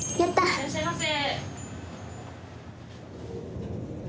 ・いらっしゃいませ。